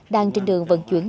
đang trên đường vận chuyển